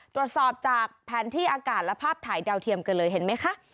ตรวจสอบจากแผนที่อากาศและภาพถ่ายดาวเทียมกันเลยเห็นไหมคะ